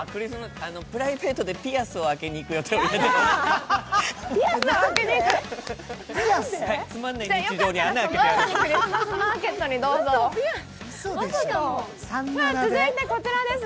プライベートでピアスを開けにいく予定です。